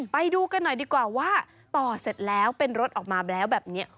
ไปดูกันหน่อยดีกว่าว่าต่อเสร็จแล้วเป็นรถออกมาแล้วแบบนี้